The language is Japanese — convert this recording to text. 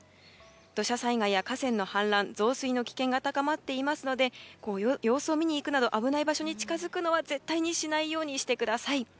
土砂災害や河川の氾濫増水の危険が高まっていますので様子を見に行くなど危ない場所に近づくのは絶対にしないようにしてください。